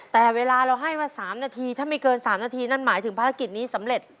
แต่เวลาเราให้มา๓นาทีถ้าไม่เกิน๓นาทีนั่นหมายถึงภารกิจนี้สำเร็จ